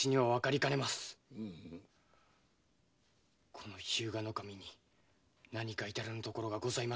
この日向守に何か至らぬところがございましょうか？